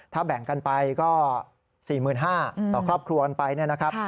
ถ้าแบ่งกันไปก็๔๕๐๐๐บาทต่อครอบครัวกันไปนะครับ